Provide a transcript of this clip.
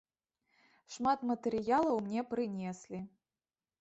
Шмат матэрыялаў мне прынеслі.